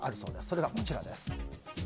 それがこちらです。